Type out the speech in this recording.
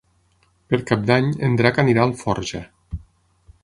Per Cap d'Any en Drac anirà a Alforja.